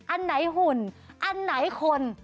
อันไหนหุ่นอันไหนคน